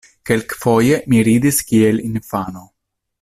Kelkfoje mi ridis kiel infano.